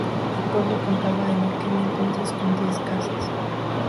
El pueblo contaba en aquel entonces con diez casas.